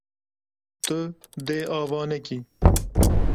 Tu dê ava nekî.